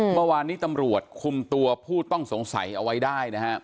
เมื่อวานนี้ตำรวจคุมตัวผู้ต้องสงสัยเอาไว้ได้นะครับ